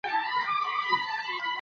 څنګه منځنی شدت تمرین غوړ سوځوي؟